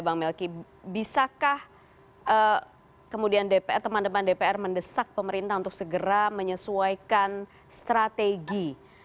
bisakah teman teman dpr mendesak pemerintah untuk segera menyesuaikan strategi